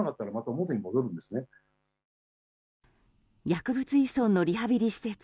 薬物依存のリハビリ施設